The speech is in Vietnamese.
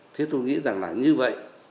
thế tôi nghĩ rằng là như vậy